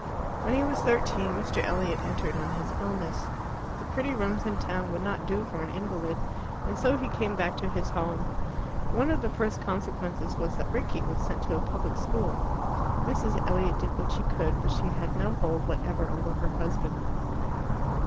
When he was thirteen Mr. Elliot entered on his illness. The pretty rooms in town would not do for an invalid, and so he came back to his home. One of the first consequences was that Rickie was sent to a public school. Mrs. Elliot did what she could, but she had no hold whatever over her husband.